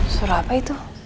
surah apa itu